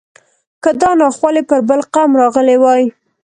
که دا ناخوالې پر بل قوم راغلی وای.